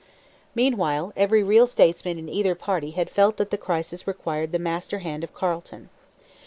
Meanwhile every real statesman in either party had felt that the crisis required the master hand of Carleton.